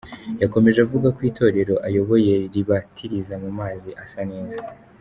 Yakomeje avuga ko itorero ayoboye ribatiriza mu mazi asa neza.